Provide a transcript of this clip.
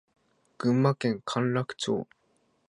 群馬県甘楽町